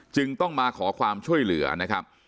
จึงต้องมาขอความช่วยเหลือนะครับ